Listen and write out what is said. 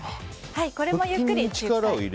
これもゆっくり。